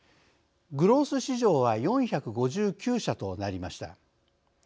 グロース市場は４５９社となりました。